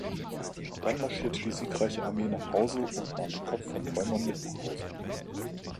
Dann marschierte die siegreiche Armee nach Hause und nahm den Kopf von Teumman mit nach Hause.